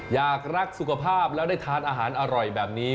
อยากรักสุขภาพแล้วได้ทานอาหารอร่อยแบบนี้